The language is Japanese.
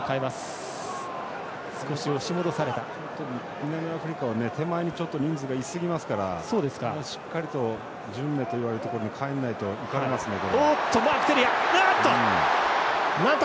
南アフリカは手前にちょっと人数がいすぎますからしっかり１０ｍのところに帰らないといかれますので。